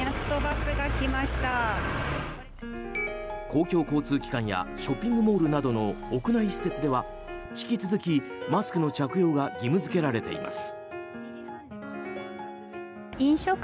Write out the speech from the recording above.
公共交通機関やショッピングモールなどの屋内施設では引き続きマスクの着用が義務付けられています。